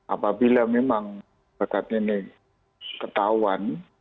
apabila memang bakat ini ketahuan